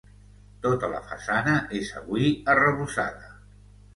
Tota la façana és avui arrebossada.